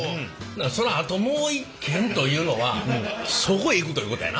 そのあともう一件というのはそこへ行くということやな？